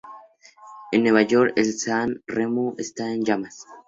En Nueva York, el San Remo está en llamas.